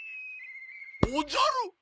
おじゃるよ！